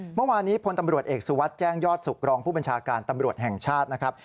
เมื่อวานนี้พลตำรวจเอกสุวัสดิ์แจ้งยอดสุขรองผู้บัญชาการตำรวจแห่งชาตินะครับ